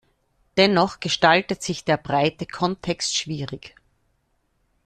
Dennoch gestaltet sich der breite Kontext schwierig.